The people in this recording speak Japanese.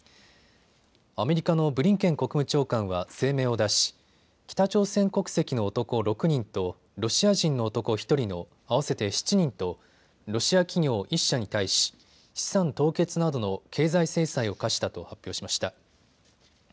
アメリカのブリンケン国務長官は声明を出し、北朝鮮国籍の男６人とロシア人の男１人の合わせて７人とロシア企業１社に対し、資産凍結などの経済制裁を科したと発表しました。